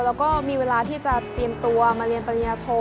แล้วก็มีเวลาที่จะเตรียมตัวมาเรียนปริญญาโท